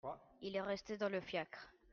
Il est resté dans le fiacre !